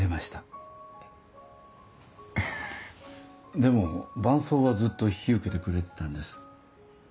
でも伴奏はずっと引き受けてくれてたんです。